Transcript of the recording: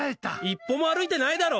一歩も歩いてないだろ！